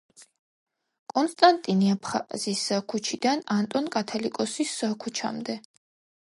კონსტატინე აფხაზის ქუჩიდან ანტონ კათალიკოსის ქუჩამდე.